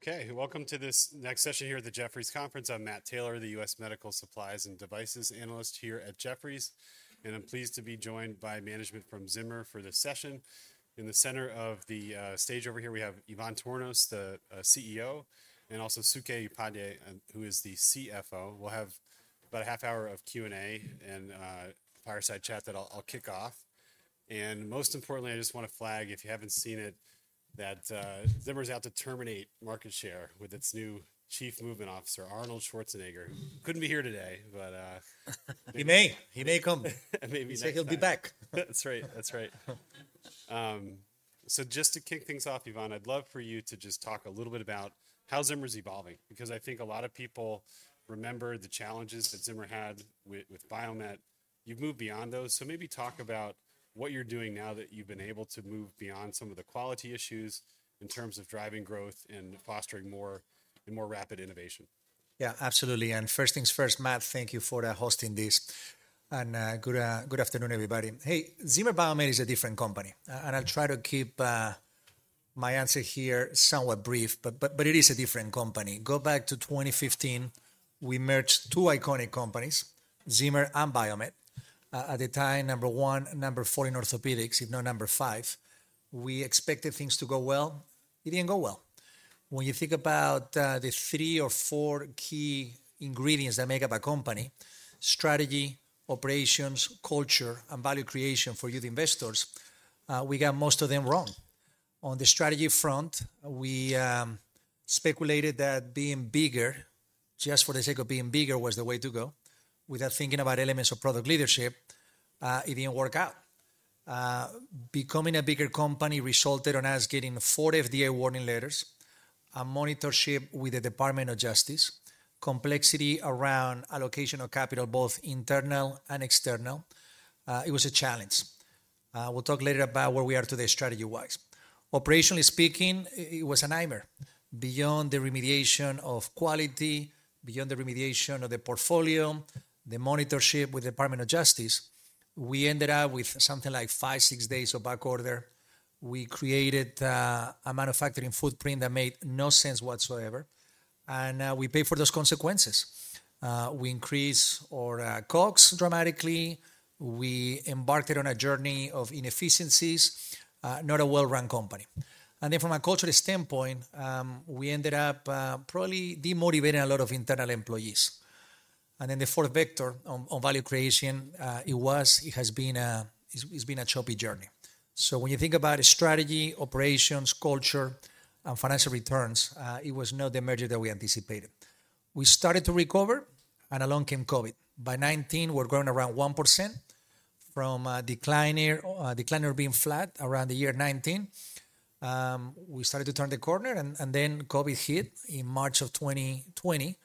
Okay, welcome to this next session here at the Jefferies conference. I'm Matt Taylor, the U.S. Medical Supplies and Devices Analyst here at Jefferies, and I'm pleased to be joined by management from Zimmer for this session. In the center of the stage over here, we have Ivan Tornos, the CEO, and also Suky Upadhyay, who is the CFO. We'll have about a half hour of Q&A and fireside chat that I'll kick off. And most importantly, I just want to flag, if you haven't seen it, that Zimmer is out to terminate market share with its new Chief Movement Officer, Arnold Schwarzenegger. Couldn't be here today, but. He may. He may come. Maybe not. He'll be back. That's right. That's right. So just to kick things off, Ivan, I'd love for you to just talk a little bit about how Zimmer is evolving, because I think a lot of people remember the challenges that Zimmer had with Biomet. You've moved beyond those. So maybe talk about what you're doing now that you've been able to move beyond some of the quality issues in terms of driving growth and fostering more and more rapid innovation. Yeah, absolutely. And first things first, Matt, thank you for hosting this. And good afternoon, everybody. Hey, Zimmer Biomet is a different company. And I'll try to keep my answer here somewhat brief, but it is a different company. Go back to 2015, we merged two iconic companies, Zimmer and Biomet. At the time, number one, number four in orthopedics, if not number five. We expected things to go well. It didn't go well. When you think about the three or four key ingredients that make up a company: strategy, operations, culture, and value creation for you investors, we got most of them wrong. On the strategy front, we speculated that being bigger, just for the sake of being bigger, was the way to go. Without thinking about elements of product leadership, it didn't work out. Becoming a bigger company resulted in us getting four FDA warning letters, a monitorship with the Department of Justice, complexity around allocation of capital, both internal and external. It was a challenge. We'll talk later about where we are today, strategy-wise. Operationally speaking, it was a nightmare. Beyond the remediation of quality, beyond the remediation of the portfolio, the monitorship with the Department of Justice, we ended up with something like five, six days of backorder. We created a manufacturing footprint that made no sense whatsoever, and we paid for those consequences. We increased our COGS dramatically. We embarked on a journey of inefficiencies, not a well-run company, and then from a cultural standpoint, we ended up probably demotivating a lot of internal employees, and then the fourth vector on value creation, it was, it has been, it's been a choppy journey. When you think about strategy, operations, culture, and financial returns, it was not the merger that we anticipated. We started to recover, and along came COVID. By 2019, we're growing around 1% from decliner, decliner being flat around the year 2019. We started to turn the corner, and then COVID hit in March of 2020.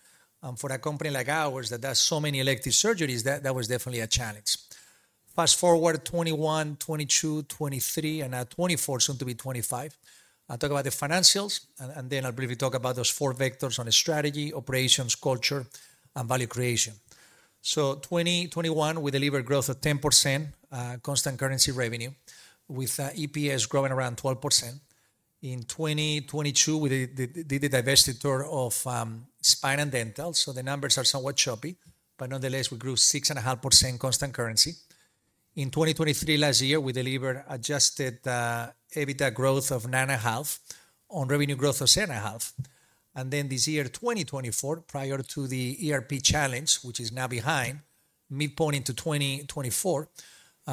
And for a company like ours that does so many elective surgeries, that was definitely a challenge. Fast forward 2021, 2022, 2023, and now 2024, soon to be 2025. I'll talk about the financials, and then I'll briefly talk about those four vectors on strategy, operations, culture, and value creation. So 2021, we delivered growth of 10% constant currency revenue, with EPS growing around 12%. In 2022, we did the divestiture of Spine and Dental. So the numbers are somewhat choppy, but nonetheless, we grew 6.5% constant currency. In 2023, last year, we delivered adjusted EBITDA growth of 9.5% on revenue growth of 7.5%. And then this year, 2024, prior to the ERP challenge, which is now behind, midpoint into 2024,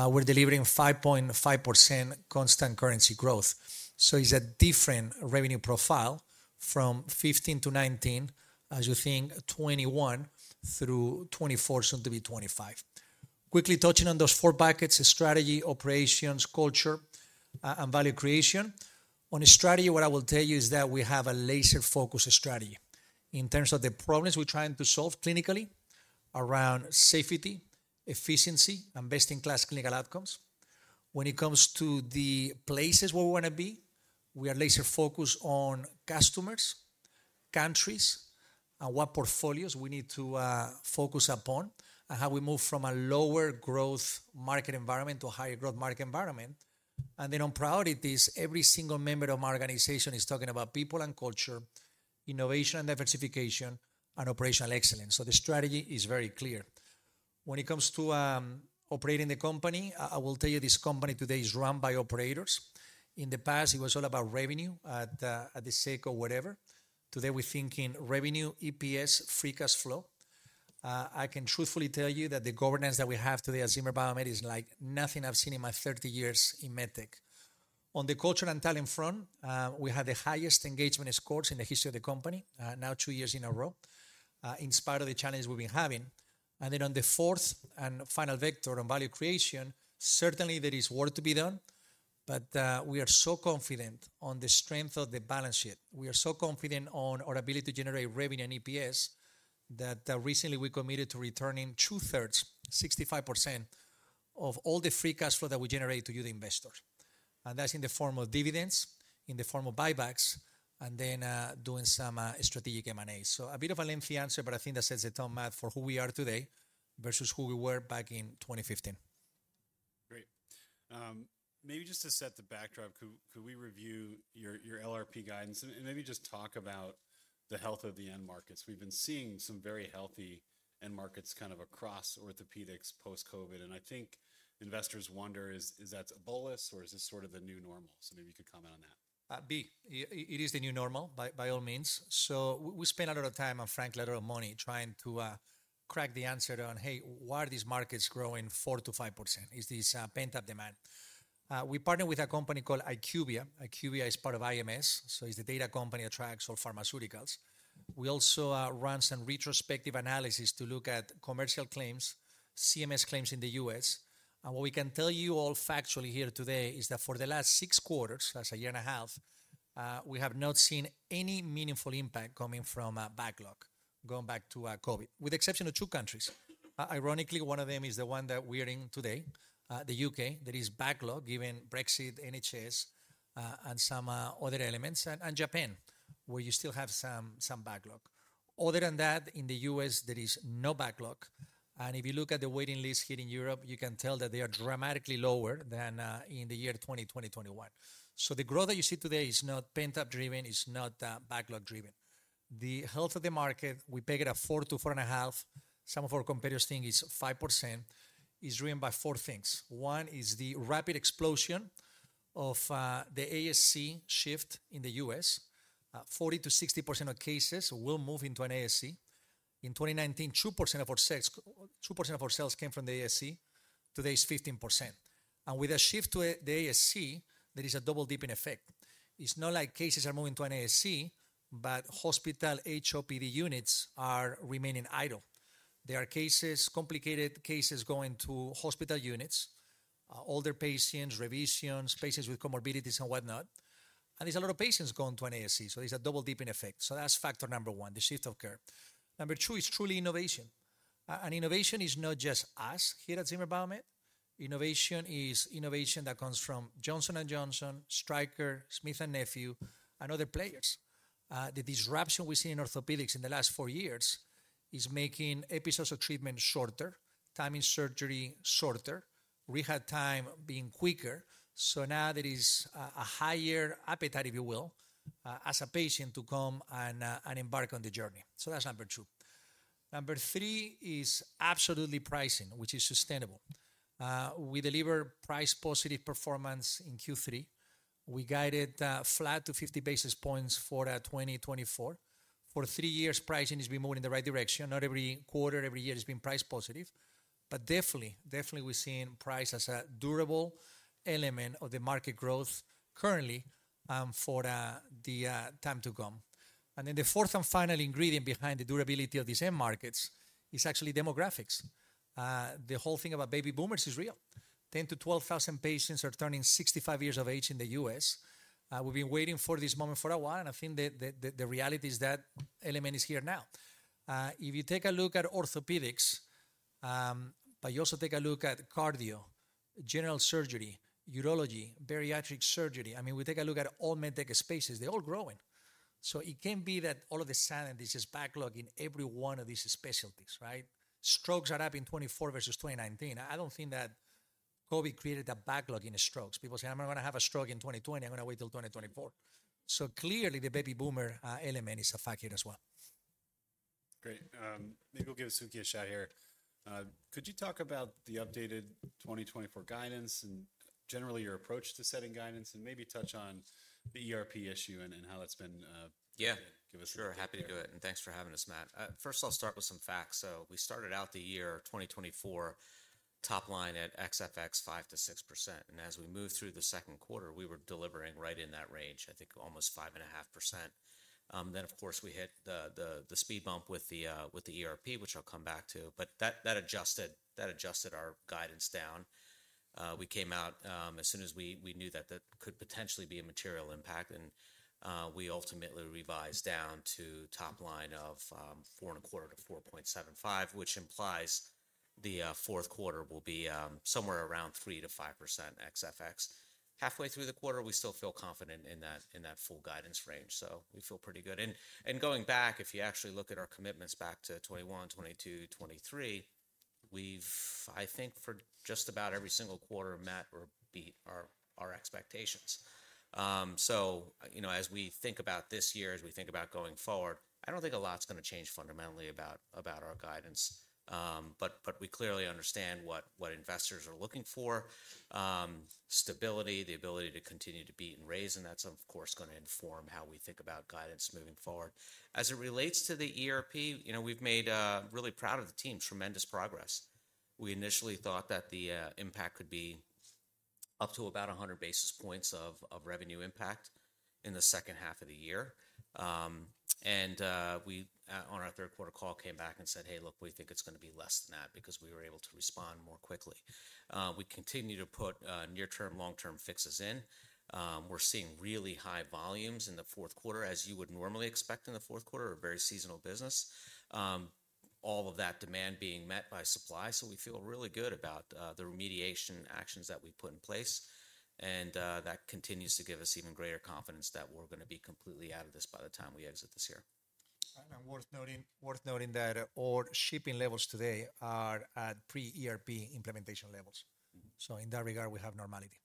we're delivering 5.5% constant currency growth. So it's a different revenue profile from 2015 to 2019, as you think 2021 through 2024, soon to be 2025. Quickly touching on those four buckets: strategy, operations, culture, and value creation. On strategy, what I will tell you is that we have a laser-focused strategy in terms of the problems we're trying to solve clinically around safety, efficiency, and best-in-class clinical outcomes. When it comes to the places where we want to be, we are laser-focused on customers, countries, and what portfolios we need to focus upon and how we move from a lower growth market environment to a higher growth market environment. And then on priorities, every single member of my organization is talking about people and culture, innovation and diversification, and operational excellence. So the strategy is very clear. When it comes to operating the company, I will tell you this company today is run by operators. In the past, it was all about revenue for the sake of whatever. Today, we're thinking revenue, EPS, free cash flow. I can truthfully tell you that the governance that we have today at Zimmer Biomet is like nothing I've seen in my 30 years in med tech. On the culture and talent front, we have the highest engagement scores in the history of the company, now two years in a row, in spite of the challenge we've been having. And then on the fourth and final vector on value creation, certainly there is work to be done, but we are so confident on the strength of the balance sheet. We are so confident on our ability to generate revenue and EPS that recently we committed to returning two-thirds, 65% of all the free cash flow that we generate to our investors. And that's in the form of dividends, in the form of buybacks, and then doing some strategic M&A. So a bit of a lengthy answer, but I think that sets the tone, Matt, for who we are today versus who we were back in 2015. Great. Maybe just to S.E.T. the backdrop, could we review your LRP guidance and maybe just talk about the health of the end markets? We've been seeing some very healthy end markets kind of across orthopedics post-COVID. And I think investors wonder, is that a bolus or is this sort of the new normal? So maybe you could comment on that. It is the new normal, by all means. So we spend a lot of time and, frankly, a lot of money trying to crack the answer on, hey, why are these markets growing 4%-5%? Is this pent-up demand? We partner with a company called IQVIA. IQVIA is part of IMS, so it's the data company that tracks all pharmaceuticals. We also run some retrospective analysis to look at commercial claims, CMS claims in the U.S. And what we can tell you all factually here today is that for the last six quarters, that's a year and a half, we have not seen any meaningful impact coming from a backlog going back to COVID, with the exception of two countries. Ironically, one of them is the one that we are in today, the U.K., that is backlog given Brexit, NHS, and some other elements, and Japan, where you still have some backlog. Other than that, in the U.S., there is no backlog, and if you look at the waiting list here in Europe, you can tell that they are dramatically lower than in the year 2020-2021, so the growth that you see today is not pent-up driven, is not backlog driven. The health of the market, we peg it at 4% to 4.5%. Some of our competitors think it's 5%. It's driven by four things. One is the rapid explosion of the ASC shift in the U.S. 40% to 60% of cases will move into an ASC. In 2019, 2% of our sales came from the ASC. Today it's 15%. With the shift to the ASC, there is a double dipping effect. It's not like cases are moving to an ASC, but hospital HOPD units are remaining idle. There are cases, complicated cases going to hospital units, older patients, revisions, patients with comorbidities and whatnot. There's a lot of patients going to an ASC. So there's a double dipping effect. That's factor number one, the shift of care. Number two is truly innovation. Innovation is not just us here at Zimmer Biomet. Innovation is innovation that comes from Johnson & Johnson, Stryker, Smith & Nephew, and other players. The disruption we've seen in orthopedics in the last four years is making episodes of treatment shorter, timing surgery shorter, rehab time being quicker. Now there is a higher appetite, if you will, as a patient to come and embark on the journey. That's number two. Number three is absolutely pricing, which is sustainable. We deliver price-positive performance in Q3. We guided flat to 50 basis points for 2024. For three years, pricing has been moving in the right direction. Not every quarter, every year has been price-positive. But definitely, definitely we've seen price as a durable element of the market growth currently for the time to come, and then the fourth and final ingredient behind the durability of these end markets is actually demographics. The whole thing about baby boomers is real. 10,000 to 12,000 patients are turning 65 years of age in the U.S. We've been waiting for this moment for a while, and I think the reality is that element is here now. If you take a look at orthopedics, but you also take a look at cardio, general surgery, urology, bariatric surgery, I mean, we take a look at all med tech spaces, they're all growing. So it can't be that all of a sudden there's just backlog in every one of these specialties, right? Strokes are up in 2024 versus 2019. I don't think that COVID created a backlog in strokes. People say, "I'm not going to have a stroke in 2020. I'm going to wait till 2024." So clearly, the baby boomer element is a factor as well. Great. Maybe we'll give Suky a shot here. Could you talk about the updated 2024 guidance and generally your approach to setting guidance and maybe touch on the ERP issue and how that's been? Yeah. Sure. Happy to do it. And thanks for having us, Matt. First, I'll start with some facts. So we started out the year 2024 top line at ex-FX 5%-6%. And as we moved through the second quarter, we were delivering right in that range, I think almost 5.5%. Then, of course, we hit the speed bump with the ERP, which I'll come back to. But that adjusted our guidance down. We came out as soon as we knew that that could potentially be a material impact. And we ultimately revised down to top line of 4.25%-4.75%, which implies the fourth quarter will be somewhere around 3%-5% ex-FX. Halfway through the quarter, we still feel confident in that full guidance range. So we feel pretty good. Going back, if you actually look at our commitments back to 2021, 2022, 2023, we've, I think, for just about every single quarter, met or beat our expectations. So as we think about this year, as we think about going forward, I don't think a lot's going to change fundamentally about our guidance. But we clearly understand what investors are looking for: stability, the ability to continue to beat and raise. And that's, of course, going to inform how we think about guidance moving forward. As it relates to the ERP, we're really proud of the team's tremendous progress. We initially thought that the impact could be up to about 100 basis points of revenue impact in the second half of the year. And we, on our third quarter call, came back and said, "Hey, look, we think it's going to be less than that because we were able to respond more quickly." We continue to put near-term, long-term fixes in. We're seeing really high volumes in the fourth quarter, as you would normally expect in the fourth quarter, a very seasonal business, all of that demand being met by supply. So we feel really good about the remediation actions that we put in place. And that continues to give us even greater confidence that we're going to be completely out of this by the time we exit this year. Worth noting that all shipping levels today are at pre-ERP implementation levels. In that regard, we have normality.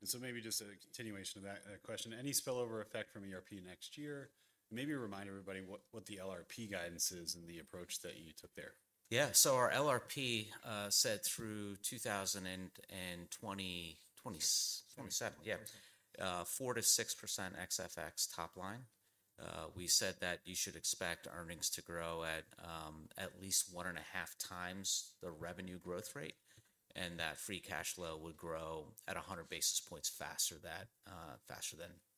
And so maybe just a continuation of that question, any spillover effect from ERP next year? Maybe remind everybody what the LRP guidance is and the approach that you took there. Yeah. So our LRP said through 2027, yeah, 4%-6% ex-FX top line. We said that you should expect earnings to grow at least one and a half times the revenue growth rate and that free cash flow would grow at 100 basis points faster than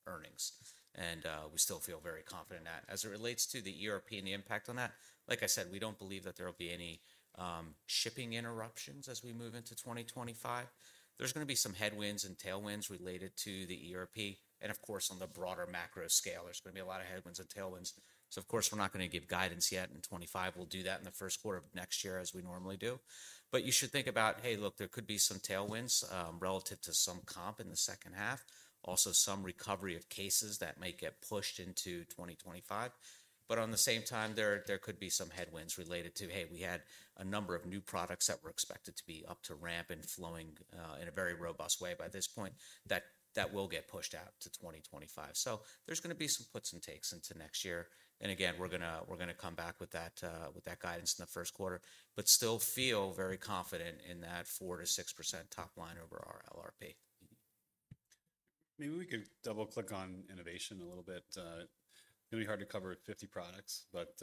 earnings. And we still feel very confident in that. As it relates to the ERP and the impact on that, like I said, we don't believe that there will be any shipping interruptions as we move into 2025. There's going to be some headwinds and tailwinds related to the ERP. And of course, on the broader macro scale, there's going to be a lot of headwinds and tailwinds. So of course, we're not going to give guidance yet in 2025. We'll do that in the first quarter of next year as we normally do. But you should think about, hey, look, there could be some tailwinds relative to some comp in the second half, also some recovery of cases that may get pushed into 2025. But at the same time, there could be some headwinds related to, hey, we had a number of new products that were expected to be up to ramp and flowing in a very robust way by this point that will get pushed out to 2025. So there's going to be some puts and takes into next year. And again, we're going to come back with that guidance in the first quarter, but still feel very confident in that 4%-6% top line over our LRP. Maybe we could double-click on innovation a little bit. It's going to be hard to cover 50 products, but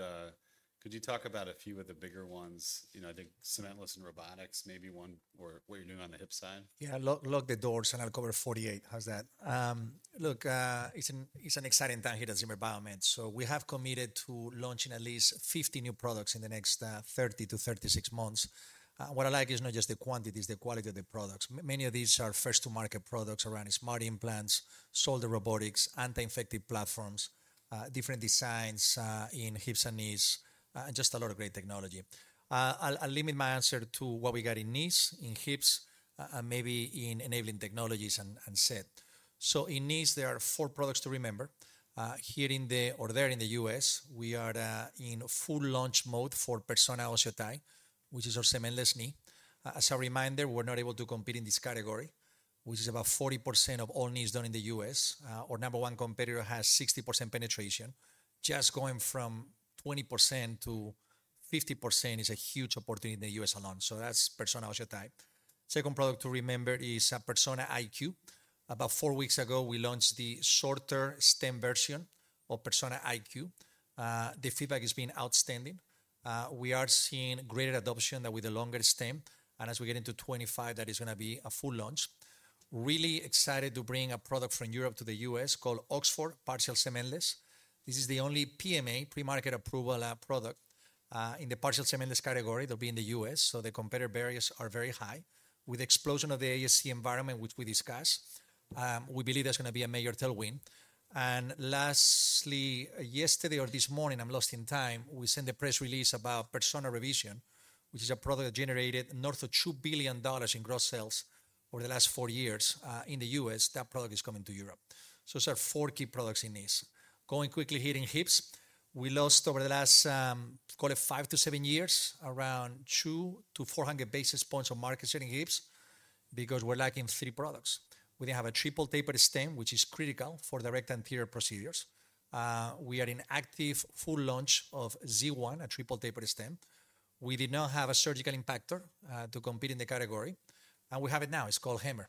could you talk about a few of the bigger ones? I think cementless and robotics, maybe one or what you're doing on the hip side? Yeah, lock the doors and I'll cover 48. How's that? Look, it's an exciting time here at Zimmer Biomet. So we have committed to launching at least 50 new products in the next 30-36 months. What I like is not just the quantities, the quality of the products. Many of these are first-to-market products around smart implants, shoulder robotics, anti-infective platforms, different designs in hips and knees, and just a lot of great technology. I'll limit my answer to what we got in knees, in hips, and maybe in enabling technologies and S.E.T. So in knees, there are four products to remember. Here in the OR there in the U.S., we are in full launch mode for Persona OsseoTi, which is our cementless knee. As a reminder, we're not able to compete in this category, which is about 40% of all knees done in the U.S., and our number one competitor has 60% penetration. Just going from 20% to 50% is a huge opportunity in the U.S. alone. So that's Persona OsseoTi. Second product to remember is a Persona IQ. About four weeks ago, we launched the shorter stem version of Persona IQ. The feedback has been outstanding. We are seeing greater adoption with the longer stem. And as we get into 2025, that is going to be a full launch. Really excited to bring a product from Europe to the U.S. called Oxford Partial Cementless. This is the only PMA, pre-market approval product in the partial cementless category that will be in the U.S. So the competitor barriers are very high. With the explosion of the ASC environment, which we discussed, we believe there's going to be a major tailwind. And lastly, yesterday or this morning, I'm lost in time, we sent the press release about Persona Revision, which is a product that generated north of $2 billion in gross sales over the last four years in the U.S. That product is coming to Europe. So those are four key products in knees. Going quickly here in hips, we lost over the last, call it, 5 years-7 years, around 200 basis points-400 basis points of market share in hips because we're lacking three products. We didn't have a triple-tapered stem, which is critical for Direct Anterior procedures. We are in active full launch of Z1, a triple-tapered stem. We did not have a surgical impactor to compete in the category. And we have it now. It's called HAMMR.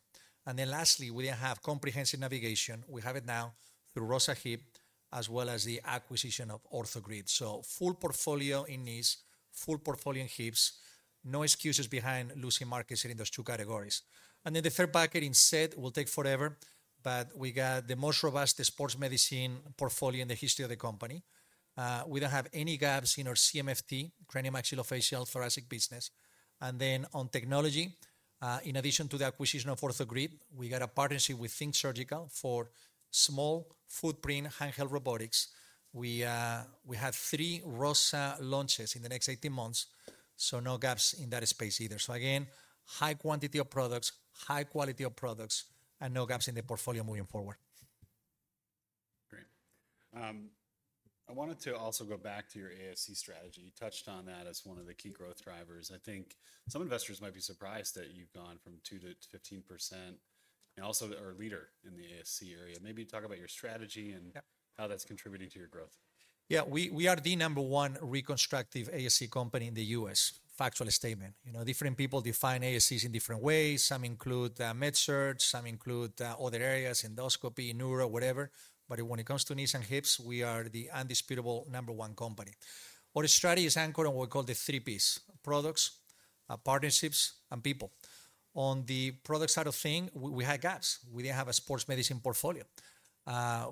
And then lastly, we didn't have comprehensive navigation. We have it now through ROSA Hip, as well as the acquisition of OrthoGrid. So full portfolio in knees, full portfolio in hips. No excuses behind losing market share in those two categories. And then the third bucket in S.E.T., we'll take forever, but we got the most robust sports medicine portfolio in the history of the company. We don't have any gaps in our CMFT, cranial, maxillofacial, thoracic business. And then on technology, in addition to the acquisition of OrthoGrid, we got a partnership with Think Surgical for small footprint handheld robotics. We have three ROSA launches in the next 18 months. So no gaps in that space either. So again, high quantity of products, high quality of products, and no gaps in the portfolio moving forward. Great. I wanted to also go back to your ASC strategy. You touched on that as one of the key growth drivers. I think some investors might be surprised that you've gone from 2% to 15% and also are a leader in the ASC area. Maybe talk about your strategy and how that's contributing to your growth. Yeah, we are the number one reconstructive ASC company in the U.S., factual statement. Different people define ASCs in different ways. Some include med-surg, some include other areas, endoscopy, neuro, whatever. But when it comes to knees and hips, we are the indisputable number one company. Our strategy is anchored on what we call the three Ps, products, partnerships, and people. On the product side of things, we had gaps. We didn't have a sports medicine portfolio.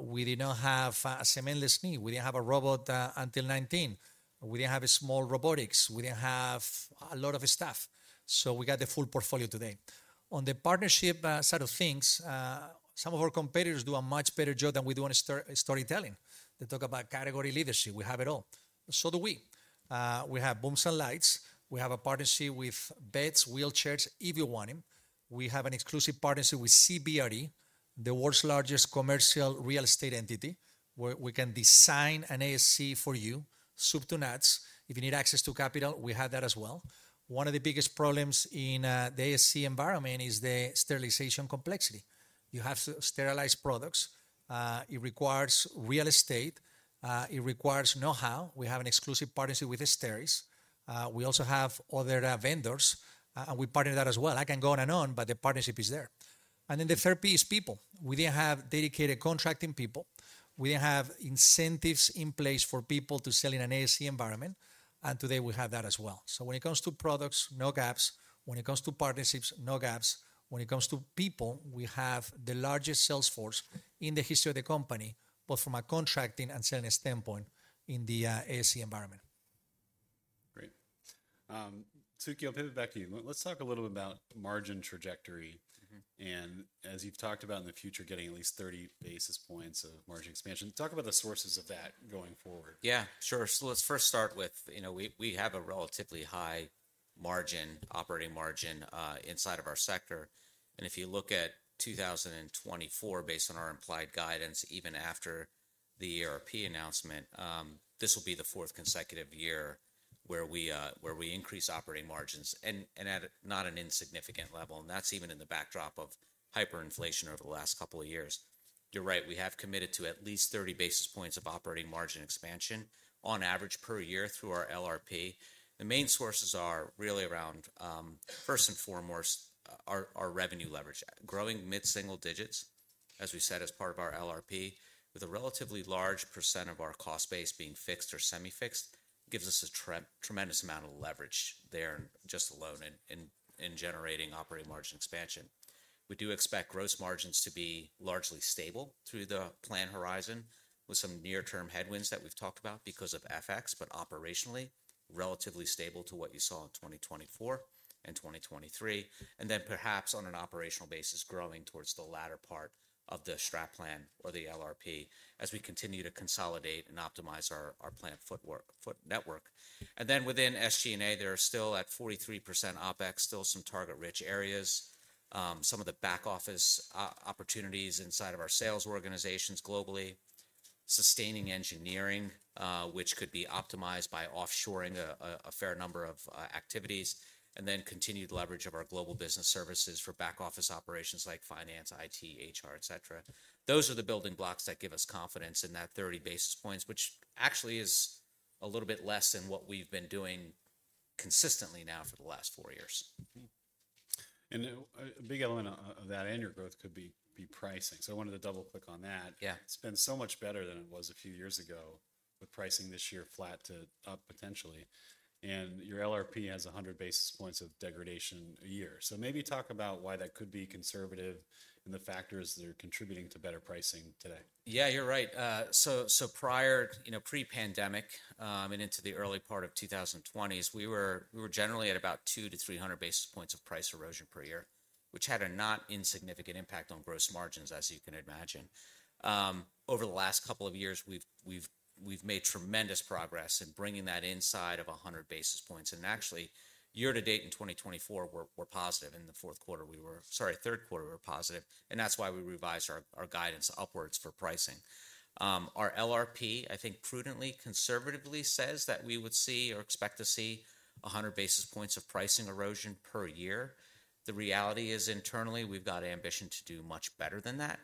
We did not have a cementless knee. We didn't have a robot until 2019. We didn't have small robotics. We didn't have a lot of staff. So we got the full portfolio today. On the partnership side of things, some of our competitors do a much better job than we do on storytelling. They talk about category leadership. We have it all. So do we. We have booms and lights. We have a partnership with beds, wheelchairs, if you want them. We have an exclusive partnership with CBRE, the world's largest commercial real estate entity. We can design an ASC for you, soup to nuts. If you need access to capital, we have that as well. One of the biggest problems in the ASC environment is the sterilization complexity. You have to sterilize products. It requires real estate. It requires know-how. We have an exclusive partnership with STERIS. We also have other vendors, and we partner that as well. I can go on and on, but the partnership is there, and then the third P is people. We didn't have dedicated contracting people. We didn't have incentives in place for people to sell in an ASC environment, and today we have that as well. When it comes to products, no gaps. When it comes to partnerships, no gaps. When it comes to people, we have the largest sales force in the history of the company, both from a contracting and selling standpoint in the ASC environment. Great. Suky, I'll pivot back to you. Let's talk a little bit about margin trajectory, and as you've talked about in the future, getting at least 30 basis points of margin expansion. Talk about the sources of that going forward. Yeah, sure. So let's first start with, we have a relatively high margin, operating margin inside of our sector. And if you look at 2024, based on our implied guidance, even after the ERP announcement, this will be the fourth consecutive year where we increase operating margins and at not an insignificant level. And that's even in the backdrop of hyperinflation over the last couple of years. You're right. We have committed to at least 30 basis points of operating margin expansion on average per year through our LRP. The main sources are really around, first and foremost, our revenue leverage. Growing mid-single digits, as we said, as part of our LRP, with a relatively large percent of our cost base being fixed or semi-fixed, gives us a tremendous amount of leverage there just alone in generating operating margin expansion. We do expect gross margins to be largely stable through the planned horizon with some near-term headwinds that we've talked about because of FX, but operationally, relatively stable to what you saw in 2024 and 2023, and then perhaps on an operational basis, growing towards the latter part of the strat plan or the LRP as we continue to consolidate and optimize our plant footprint, footprint network. And then within SG&A, there are still at 43% OPEX, still some target-rich areas, some of the back-office opportunities inside of our sales organizations globally, sustaining engineering, which could be optimized by offshoring a fair number of activities, and then continued leverage of our Global Business Services for back-office operations like finance, IT, HR, etc. Those are the building blocks that give us confidence in that 30 basis points, which actually is a little bit less than what we've been doing consistently now for the last four years. And a big element of that and your growth could be pricing. So I wanted to double-click on that. It's been so much better than it was a few years ago with pricing this year flat to up potentially. And your LRP has 100 basis points of degradation a year. So maybe talk about why that could be conservative and the factors that are contributing to better pricing today. Yeah, you're right. So prior, pre-pandemic and into the early part of 2020s, we were generally at about 200 basis points to 300 basis points of price erosion per year, which had a not insignificant impact on gross margins, as you can imagine. Over the last couple of years, we've made tremendous progress in bringing that inside of 100 basis points. And actually, year to date in 2024, we're positive. In the fourth quarter, we were, sorry, third quarter, we were positive. And that's why we revised our guidance upwards for pricing. Our LRP, I think prudently, conservatively says that we would see or expect to see 100 basis points of pricing erosion per year. The reality is internally, we've got an ambition to do much better than that.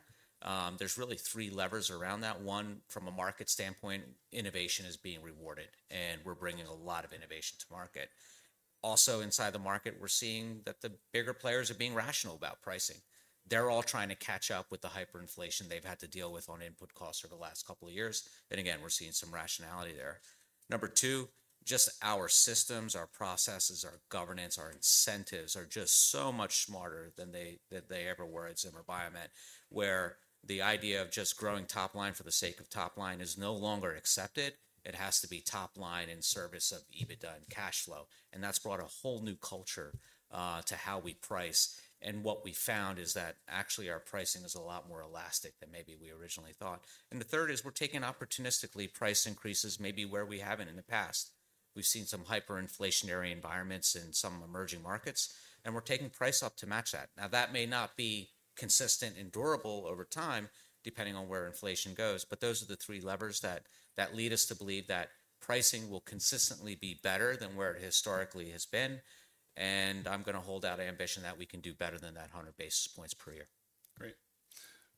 There's really three levers around that. One, from a market standpoint, innovation is being rewarded, and we're bringing a lot of innovation to market. Also, inside the market, we're seeing that the bigger players are being rational about pricing. They're all trying to catch up with the hyperinflation they've had to deal with on input costs over the last couple of years. And again, we're seeing some rationality there. Number two, just our systems, our processes, our governance, our incentives are just so much smarter than they ever were at Zimmer Biomet, where the idea of just growing top line for the sake of top line is no longer accepted. It has to be top line in service of EBITDA and cash flow. And that's brought a whole new culture to how we price. And what we found is that actually our pricing is a lot more elastic than maybe we originally thought. And the third is we're taking opportunistically price increases maybe where we haven't in the past. We've seen some hyperinflationary environments in some emerging markets, and we're taking price up to match that. Now, that may not be consistent and durable over time depending on where inflation goes, but those are the three levers that lead us to believe that pricing will consistently be better than where it historically has been. And I'm going to hold out ambition that we can do better than that 100 basis points per year. Great.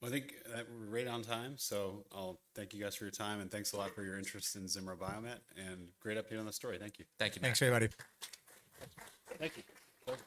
Well, I think we're right on time. So, I'll thank you guys for your time and thanks a lot for your interest in Zimmer Biomet, and great update on the story. Thank you. Thank you. Thanks, everybody. Thank you.